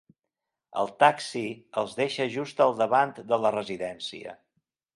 El taxi els deixa just al davant de la residència.